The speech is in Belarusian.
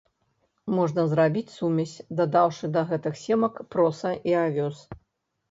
Можна зрабіць сумесь, дадаўшы да гэтых семак проса і авёс.